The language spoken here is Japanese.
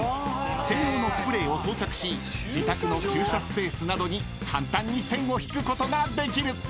［専用のスプレーを装着し自宅の駐車スペースなどに簡単に線を引くことができる］